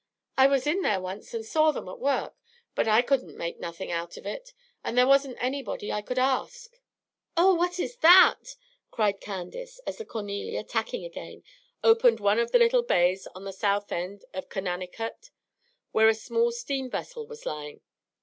I was in there once and saw them at work, but I couldn't make nothing out of it, and there wasn't anybody I could ask." "Oh, what is that?" cried Candace, as the "Cornelia," tacking again, opened one of the little bays on the south end of Conanicut, where a small steam vessel was lying.